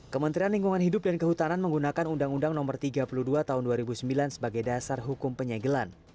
kementerian lingkungan hidup dan kehutanan menggunakan undang undang no tiga puluh dua tahun dua ribu sembilan sebagai dasar hukum penyegelan